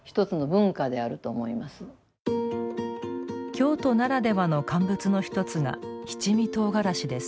京都ならではの乾物の１つが七味とうがらしです。